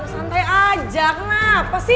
santai aja kenapa sih